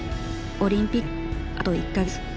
オリンピックまであと１か月。